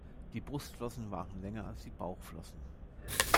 Die Brustflossen waren länger als die Bauchflossen.